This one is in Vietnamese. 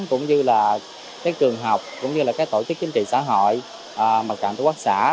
cũng như là các trường học cũng như là các tổ chức chính trị xã hội mặt trận tổ quốc xã